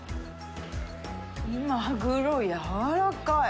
マグロ、やわらかい。